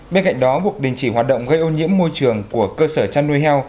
bên cạnh đó buộc đình chỉ hoạt động gây ô nhiễm môi trường của cơ sở chăn nuôi heo